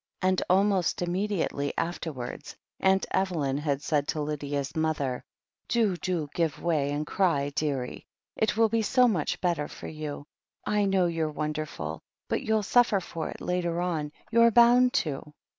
And almost immediately afterwards Aunt Evelyn had said to Lydia's mother : "Do, do give way and cry, dearie. It will be so much better for you. I know you're wonderful, but you'll suffer for it later on. You're bound to."